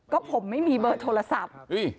ก็ผมไม่มีเบอร์โทรศัพท์